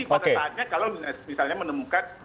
pada saatnya kalau misalnya menemukan